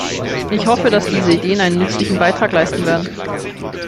Ich hoffe, dass diese Ideen einen nützlichen Beitrag leisten werden.